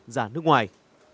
ra nước ngoài